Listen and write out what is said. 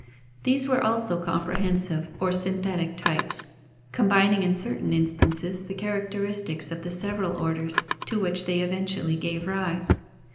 These were also comprehensive or synthetic types, combining in certain instances the characteristics of the several orders to which they eventually gave rise.